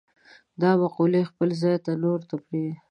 دا مقولې خپل ځای نورو ته پرېږدي.